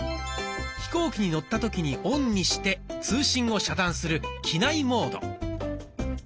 飛行機に乗った時にオンにして通信を遮断する「機内モード」。